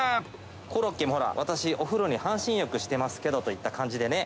コロッケもほら「私お風呂に半身浴してますけど」といった感じでね。